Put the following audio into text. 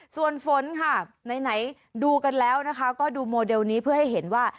ส่วนฝนค่ะไหนดูกันแล้วนะคะก็ดูโมเดลนี้เพื่อให้เห็นว่า